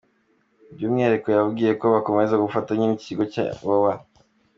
By’umwihariko yababwiye ko bazakomeza ubufatanye n’iki kigo cya Iwawa.